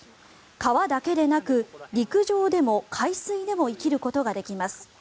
川だけでなく陸上でも海水でも生きることができます。